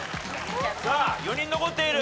４人残っている。